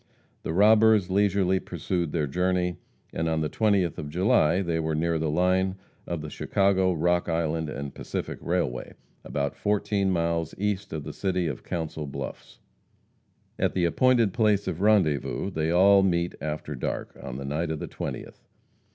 The robbers leisurely pursued their journey, and on the 20th of July they were near the line of the Chicago, Rock Island & Pacific railway, about fourteen miles east of the city of Council Bluffs. At the appointed place of rendezvous they all meet after dark, on the night of the twentieth.